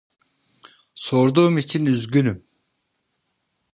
Sorduğum için üzgünüm.